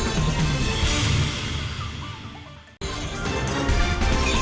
kami akan segera ke usha ajin